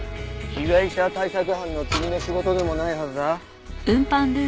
被害者対策班の君の仕事でもないはずだ。